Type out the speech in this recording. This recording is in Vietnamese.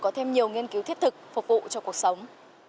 có thêm nhiều nghiên cứu thiết thực phục vụ cho cuộc sống